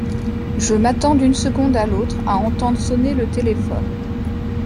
Je m’attends d’une seconde à l’autre à entendre sonner le téléphone.